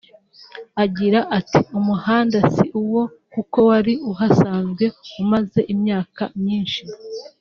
Agira ati “Umuhanda si wo kuko wari uhasanzwe umaze imyaka myinshi